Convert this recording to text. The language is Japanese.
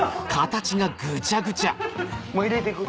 もう入れて行く。